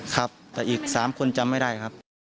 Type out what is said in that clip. ครับแต่อีก๓คนจำไม่ได้ครับ